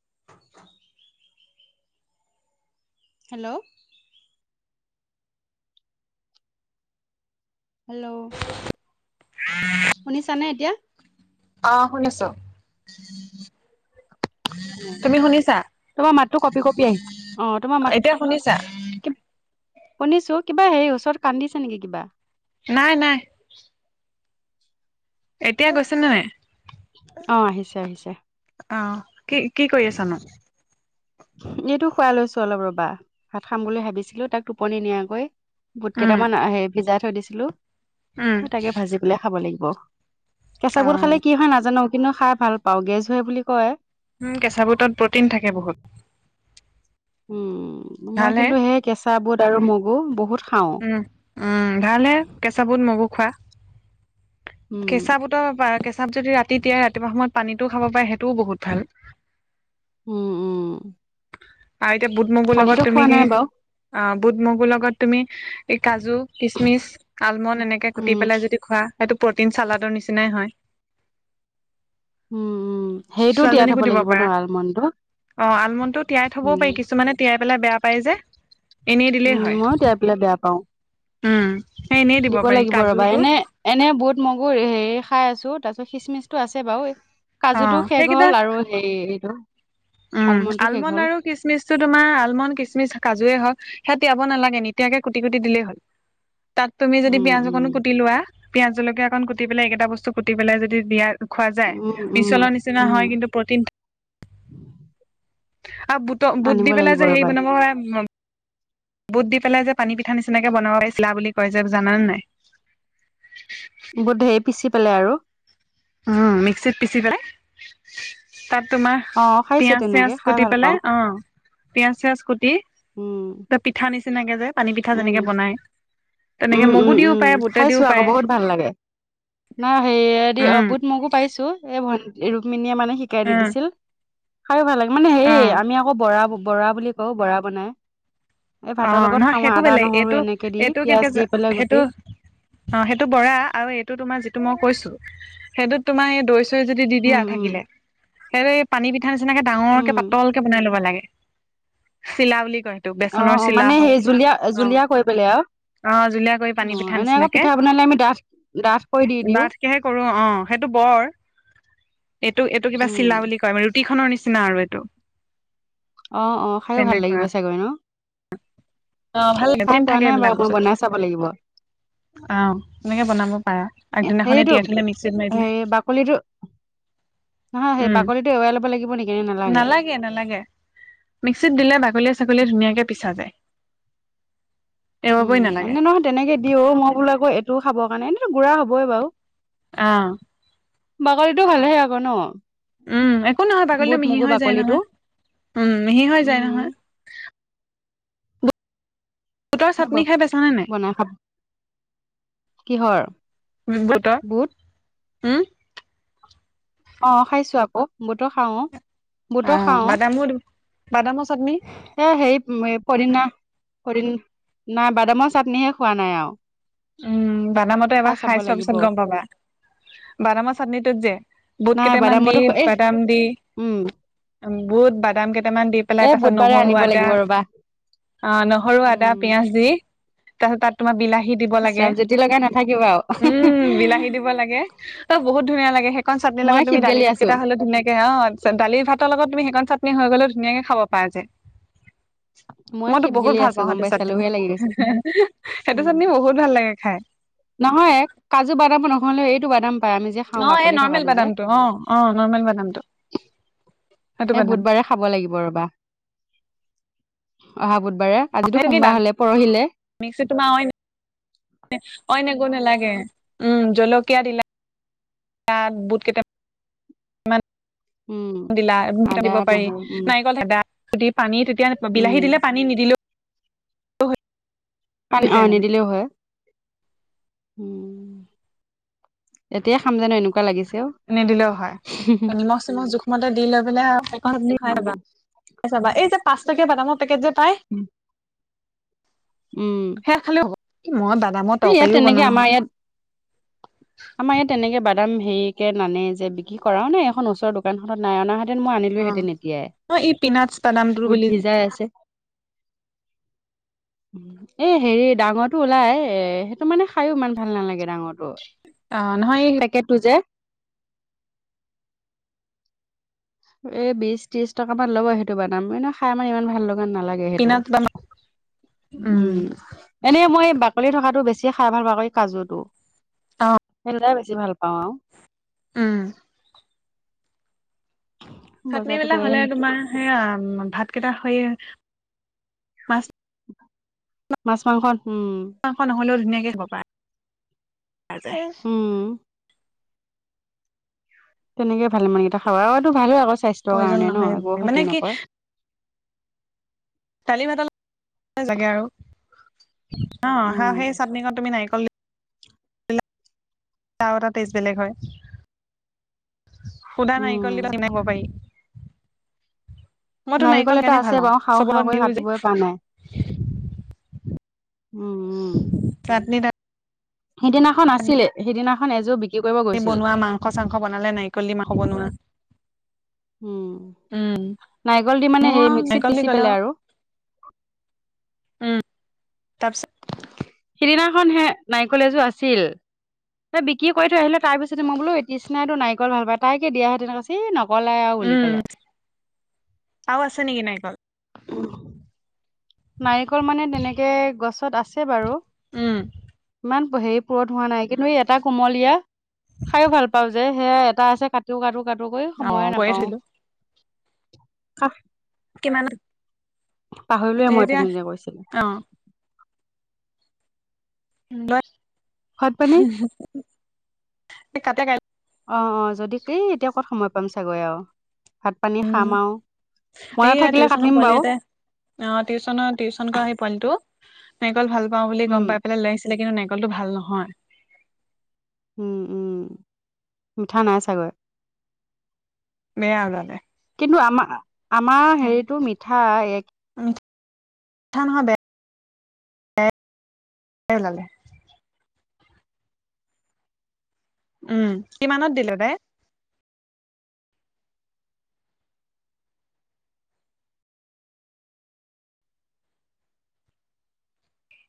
[unintelligible] [inaudible] Hello hello শুনিছানে এতিয়া? আহ শুনিছো। তুমি শুনিছা? তোমাৰ মাতটো কপি কপি আহিছে, অ তোমাৰ মাত, এতিয়া শুনিছা শুনিছো। কিবা হেৰি ওচৰত কান্দিছে নিকি কিবা? নাই নাই। এতিয়া গৈছে নে নাই? অ আহিছে আহিছে। অ কি কি কৰি আছানো? এইটো শুৱাই লৈছো অলপ ৰবা, ভাত খাম বুলি ভাবিছিলো তাক টোপনি নিয়াইকৈ। বুট উম কেইটামান হে ভিজাই থৈ দিছিলো উম তাকে ভাজি পেলাই খাব লাগিব। অ কেঁচা বুট খালে কি হয় নাজানো কিন্তু খাই ভাল পাওঁ গেছ বুলি কয়। উম কেঁচা বুটত প্ৰটিন থাকে বহুত। উম মই ভালহে কিন্তু সেই কেঁচা বুট আৰু মগু বহুত খাওঁ। উম উম ভাল হে কেঁচা বুট মগু খোৱা। উম কেঁচাবুটৰ বা কেঁচাত যদি ৰাতি তিয়াই ৰাতিপুৱা সময়ত পানীটোও খাব পাৰে সেই টো বহুত ভাল। [inaudible] উম উম আৰু এতিয়াও বুট মগুৰ লগত পানীতো তুমি খোৱা কে নাই বাৰু অ বুট মগুৰ লগত তুমি এই কাজু, কিচমিচ, আলমণ্ড এনেকে কুটি উম পেলাই যদি খোৱা সেইটো প্ৰটিন চালাডৰ নিচিনাই হয়। উম উম। সেইটোও তিয়াই ছোৱালীজনীকো থব দিব লাগিব ন পাৰা আলমণ্ডটো? অ আলমণ্ডটো তিয়াই থবও উম পাৰি কিছুমানে তিয়াই পেলাই বেয়া পায় যে। এনেই দিলেই উম হয় মইয়ো তিয়াই পেলাই বেয়া পাও। উম সেই এনেই দিব পাৰি লাগিব ৰবা, কাজুটো এনে এনে বুট মগুৰ হে খাই আছো, তাৰ পিছত খিচমিচ টো আছে বাও অ কাজুটো শেষ সেইকেইটা হ'ল আৰু হেৰি এইটো উম, আলমণ্ডটো শেষ আলমণ্ড হ'ল আৰু খচমিচটো তোমাৰ, আলমণ্ড, কিচমিচ, কাজুয়েই হওক সেয়া তিয়াব নালাগে, নিতিয়াকে কুটি -কুটি দিলেই হ'ল, তাত তুমি যদি উম পিয়াঁজ উম অকনো কুটি লোৱা পিয়াজ জলকীয়া অকন কুটি পেলাই এইকেইটা বস্তু কুটি পেলাই যদি দিয়া খোৱা যায়, উম উম মিছলৰ নিচিনা উম হয় কিন্তু প্ৰটিন আৰু বুটক বুট আনিব দি পেলাই লাগিব যে ৰবা হেৰি বনাব হয় বুট দি পেলাই যে পানী পিঠা নিচিনাকে বনোৱাইছিলা বুলি কয় যে জানানে নাই? বুধে পিছি পালে আৰু। উম মিক্সিত পিছি পেলাই। তাত তোমাৰ অ খাইছো পিয়য়াজ চিয়াজ তেনেকে খাই কুটি ভাল পেলাই পাওঁ অ পিয়াজ -চিয়াজ কুটি উম এই পিঠা নিচিনাকে যে পানী পিঠা উম যেনেকে বনাই। তেনেকে উম, মগু উম, দিও উম পাৰে বুটে খাইছো দিও আকৌ পাৰে বহুত ভাল লাগে। না সেইয়- উম বুত মগু পাইছো, এই ভণ ৰুক্মিনীয়ে মানে শিকাই দি উম দিছিল। খাইছো ভাল লাগে মানে, সেই অ ই আমি আকৌ বৰা, বৰা বুলি কওঁ বৰা বনাই। এই অ, ভাতৰ লগত নহয় খাওঁ সেইটো আদা বেলেগ, নহৰু এইটো- এনেকে দি এইটো পিয়াজ ক্ষেত্ৰত দি পেলাই গুটি সেইটো, অ, সেইটো বৰা আৰু এইটো তোমাৰ যিটো মই কৈছো। সেইটোত তোমাৰ এই দৈ -চৈ যদি দি দিয়া উম উম থাকিলে সেইটো পানী পি ঠা নিচিনাকে ডাঙৰ কে উম পাতল কে বনাই ল'ব লাগে। চিলা বুলি কয়। সেইটো অ বেচনৰ অ চিলা মানে হয়। সেই জুলীয়া অ, জুলীয়া কৰি পেলাই আৰু অ, জুলীয়া কৰি অ পানী পিঠা এনে আকৌ নিচিনাকে পিঠা বনালে আমি ডাঠ ডাঠ কৰি দি দিওঁ ধাত কেহে কৰো অ, সেইটো বৰ এইটো এইটো কিবা উম চিলা বুলি কয় মানে ৰুটি খনৰ নিচিনা নিচিনা আৰু এইটো। অ অ খাইও ভাল তেনেকুৱা লাগিব চাগৈ ন। খাই লেটিন পোৱা থাকে নাই এইবিলাক বাৰু মই বস্তুত বনাই চাব লাগিব। অ এনেকে বনাব পাৰা আগদিনাখনে সেইটো, তিয়াই থলে মিক্সিত মাৰি হে দিলে বাকলিটো নহয় সেই উম বাকলিটো এৰুৱাই ল'ব লাগিব নেকি ন নালাগে? মিক্সিত দিলে বাগলীয়ে ছাকলীয়ে ধুনীয়াকে পিছা যায়। এৰুৱাবই উম, নালাগে এনে নহয় তেনেকে দি অ মই বোলে অ এইটোও খাবৰ কাৰণে এনেতো গুঢ়া হবই বাৰু। আহ। বাকলিটো ভালেহে আকৌ ন। উম, একো নহয় বাগলী বুট মিহি মগু হৈ যায় বাকলিটো নহয়। উম, মিহি হৈ যায় উম নহয়। বুটৰ চাটনি খাই পাইছানে নাই বনাই খাব কিহৰ বুটৰ বুট উম, অ, খাইছো আকৌ বহতো খাও অ। অ বুটো খাও, বাদামো বাদামৰ চাটনি এই সেই পদিনা পদিন না বাদামৰ চাটনিহে খোৱা নাই আৰু। উম, বানামটো এবাৰ চাব খাই চোৱাৰ লাগিব পিছত গম পাবা। বাদামৰ চাটনিটোত যে বুট নাই কেইটামান দি বাদামতো এ বাদাম দি উম বহুত বাদাম কেইটা কেইটামান দি পেলাই এ তাৰ পিছত বুধবাৰে নহৰু আনিব আদা লাগিব ৰবা অ নহৰু আদা উম পিয়াজ দি তাৰপিছ তাত তোমাৰ বিলাহী- দিব লাগে। ইছৰাম জুতি লগাই নাথাকিবা আৰু উম, বিলাহী দিব লাগে অ, বহুত ধুনীয়া লাগে। সেইখন চাটননি মই লগত তুমি দালি শিপগেলি আছো ভাতকেইটা হলে ধুনিয়াকে অ, দালি ভাতৰ লগত তুমি সেই কন চাটনি হৈ গলেও ধুনীয়াকে খাব পায় যে। মই মইতো বহুত শিপগেলি ভাল আছো পাও গম সেইটো পাইছা চাটনী লোভে লাগি গৈছে সেইটো উম চাটনি বহুত ভাল লাগে খাই। নহয় কাজু বাদাম নহলেও এইটো বাদাম পাই আমি যে খাওঁ অ এই বাকলি নৰ্মেল থকাটো যে বাদামটো অ অ নৰ্মেল বাদামটো। সেইটো এই বাদাম বুধবাৰে খাব লাগিব ৰবা অহা বুধ- বাৰে আজি সেইটো কি সোমবাৰ দাম হলে পৰহিলে। মিক্সিত তোমাৰ অইন অইন নালাগে উম জলকীয়া দিলা তাত বুট কেইটাম- উম দিলা এমিশন আদা দিব পাৰি নহৰু উম নাৰিকল হো যদি পানী তেতিয়া বিলাহী উম দিলে পানী নিদিলেও অ হৈ অ যায় মানে নিদিলেও হয়। এতিয়া খাম জানো এনেকুৱা লাগিছ এনে দিলেও হয় নিমখ চমখ জোখমতে দি লৈ পেলাই সেই উম খাইাবা বাা এই যে পাঁচ টকীয়া বাদামৰ পেকেট যে পায় উম সেয়া খালে হ মই দাদামৰ ইয়াত তৰকাৰীও তেনেকে বনাওঁ আমাৰ ইয়াত আমাৰ ইয়াত তেনেকে বাদাম হেৰি কেে নানে যে বিক্ৰী কৰাও নে এখন ওচৰৰ দোকানখনত নাই অনা হঁতেন মই অ আনিলো হেঁতেন এতিয়াই অ ই পিনাটছ বাদামটো গোট বুলি ভিজাই আছে এ হেৰি ডাঙৰটো ওলাই এ সেইটো মানে খাইো ইমান ভাল নালাগে ডাঙৰটো অ নহয় এই পেকেটটো যে এ বিশ ত্ৰিশ টকা মান ল'ব সেইটো বাদাম এনে খাই মানে ইমান ভাল ল'ব নালাগে সেইটো পিনাট বাদাম উম এনে মই বাকলি থকাাতটো বেছি খাই ভাল বাকলি কাজু টো সেইাই বেছি ভাল পাওঁ আৰু উম চাটন বজাৰতো বিলাক গৈয়ে হলে তোমাৰ সেয়া ভাত কেইটা হয় মাছ মাছ মাংস উম মাংস নহ'লেও ধুনীয়াকে খাব পৰা যায় হম তেনেকে ভালে মানেকেইটা খাব আৰুতটো ভাল আকৌ স্বাস্থ্যৰ প্ৰয়োজন কাৰণে ন নহয় একো মানে ক্ষতি কি নকয় দালি ভাতল লাগে আৰু অ হাঁ উম সেই চাটনিখনত তুমি নাৰিকল দি তা এটা টেষ্ট বেলেগ হয় সুধা উম নাৰিকল দি কিনিব পাৰি মইতো নাৰিকল এটা সেইকাৰণে ভাল আছে পাওঁ বাৰু খাহ চবৰ লগত খওকৈ মিলো যে কাটিবই পৰা নাই উম উম চাটনি সিদিনাখন আছিলে সেইদিনাখন এযোৰ বিক্ৰী কৰিব গৈছিল বনোৱা মাংস চাংস বনালে নাৰিকল দি মাংস বনোৱা উম নাৰিকল দি মানে মই হে আৰু মিক্সিত নাৰিকল দি পিচি ক'লে পেলাই আৰু তাতিছ সিদিনাখন হে নাৰিকলেজো আছিল তই বিক্ৰী কৰি থ আহিল তাৰ পিছতে মই বোলো ইতিষ্াইো নাৰিকল ভাল পাই তাইকেিয়াহে তেনেকুৱাি নক কলোই আৰু উ উম পেলাই আৰু আছে নেকি নাৰিকল নাৰিকল মানে তেনেকে গছত আছে বাৰু উম ইমান হেৰি পুৰত হোৱা নাই কিন্তু এই এটা কোমলীয়া খাইও ভাল পাওঁ যে যে সেয়া এটা আছে কটোি কাটো কটো কৰি অ সময়ে কৈয়ে নাপাও থৈলো কিমান পাহৰিলোৱে মই এতিয়া তুমি যে কৈছিলো অ ব ভাত পানী কতে কাই অ অ যদি কি এতিয়া ক'ত সময় পাম চাগৈ আৰু ভাত পানী উম খাম আৰু মনত এইয়া থাকিলে টিউচনৰ কাটিম বাৰু পোৱালিতে অ টিউশচন টিউচন কৰা সি পোৱালিটো নাৰিকল ভাল পাও বুলি উম গম পাই পেলাই লৈ আহিছিলে কিন্তু নাৰিকলটো ভাল নহয় উম উম মিঠা নাই চাগৈ বেয়ানে কিন্তু আমাৰ আমাৰ হেৰিটো মিঠা এক নহয়াগে উম কিমানত দিলে তাই